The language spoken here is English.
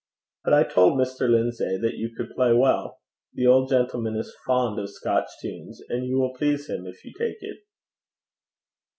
'But I told Mr. Lindsay that you could play well. The old gentleman is fond of Scotch tunes, and you will please him if you take it.'